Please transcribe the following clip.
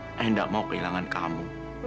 ayah nggak mau kehilangan kamu